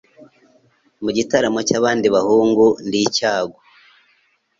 Mu gitaramo cy'abandi bahungu, ndi icyago.